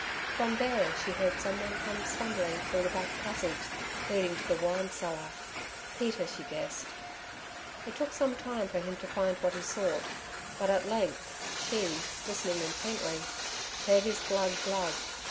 From there she heard someone come stumbling through the back passage leading to the wine cellar—Peter, she guessed. It took some time for him to find what he sought; but at length she, listening intently, heard his glug, glug.